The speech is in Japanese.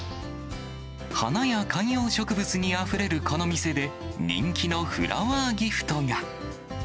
花や観葉植物にあふれるこの店で、人気のフラワーギフトが。